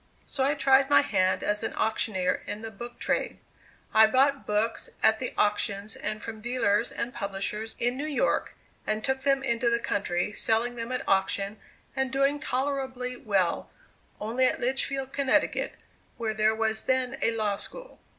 So I tried my hand as an auctioneer in the book trade. I bought books at the auctions and from dealers and publishers in New York, and took them into the country, selling them at auction and doing tolerably well; only at Litchfield, Connecticut, where there was then a law school.